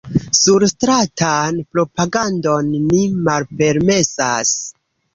Surstratan propagandon ni malpermesas.